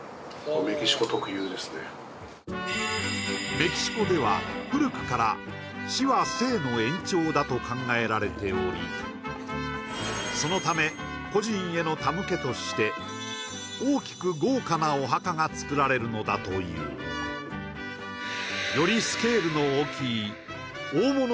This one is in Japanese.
メキシコでは古くから死は生の延長だと考えられておりそのため故人への手向けとして大きく豪華なお墓がつくられるのだというよりスケールの大きいやっぱりその